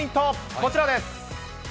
こちらです。